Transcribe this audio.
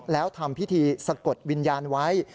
แล้วทำพิธีสะกดวิญญาณไว้